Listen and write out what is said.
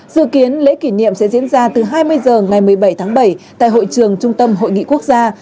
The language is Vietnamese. dự kiến lễ kỷ niệm sẽ diễn ra từ hai mươi h ngày một mươi bảy tháng bảy tại hội trường trung tâm hội nghị quốc gia